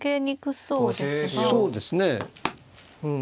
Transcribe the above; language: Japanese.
そうですねうん。